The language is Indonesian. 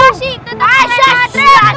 masih tetep keren madrid